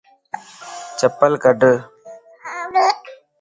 چپل ڪڊ